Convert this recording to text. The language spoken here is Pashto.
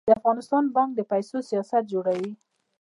د افغانستان بانک د پیسو سیاست جوړوي